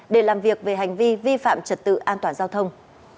để làm việc về hành vi vi phạm trật tự an toàn giao thông